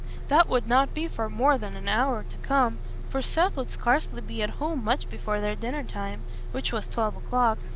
That would not be for more than an hour to come, for Seth would scarcely be at home much before their dinner time, which was twelve o'clock.